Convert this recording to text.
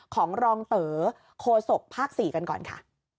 ของรองเต๋อโคศกภาค๔กันก่อนค่ะ